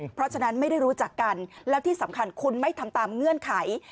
เพราะฉะนั้นไม่ได้รู้จักกันแล้วที่สำคัญคุณไม่ทำตามเงื่อนไข